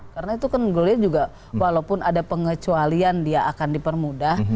karena itu kan gloria juga walaupun ada pengecualian dia akan dipermudah